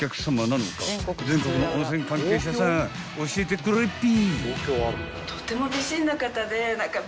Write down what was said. ［全国の温泉関係者さん教えてくれっぴ］